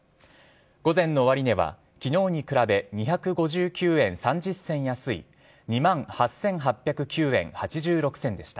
午前の終値はきのうに比べ２５９円３０銭安い、２万８８０９円８６銭でした。